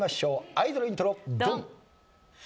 アイドルイントロドン！